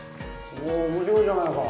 おぉ面白いじゃないか。